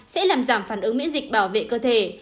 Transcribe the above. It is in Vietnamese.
sẽ làm giảm phản ứng miễn dịch bảo vệ cơ thể